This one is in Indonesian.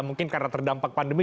mungkin karena terdampak pandemi